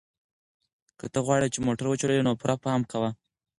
که ته غواړې چې موټر وچلوې نو پوره پام کوه.